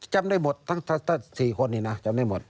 จำได้หมดทั้ง๔คนนี้นะจำได้หมด